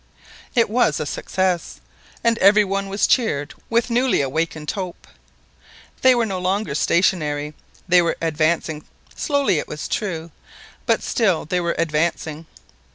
It was a success, and every one was cheered with newly awakened hope. They were no longer stationary; they were advancing slowly, it was true, but still they were advancing.